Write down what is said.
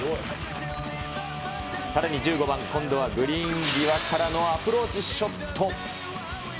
さらに１５番、今度はグリーン際からのアプローチショット。